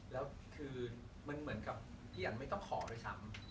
แล้วคือมันเหมือนกับพี่อันไม่ต้องขอด้วยซ้ำ